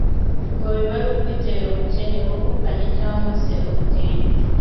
ngo biba ari ukwitera ubukene (ubuvukanyi cyangwa se ubutindi )